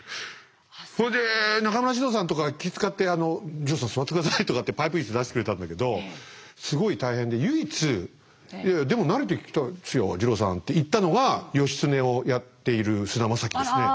それで中村獅童さんとか気遣って「二朗さん座って下さい」とかってパイプ椅子出してくれたんだけどすごい大変で唯一「いやいやでも慣れてきたっすよ二朗さん」って言ったのが義経をやっている菅田将暉ですね。